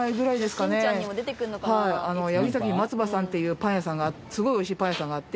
八木崎にまつばさんっていうパン屋さんがすごいおいしいパン屋さんがあって。